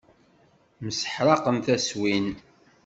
Mseḥṛaqen taswin.